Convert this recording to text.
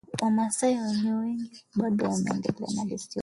Wamasai walio wengi bado wameendelea na desturi hiyo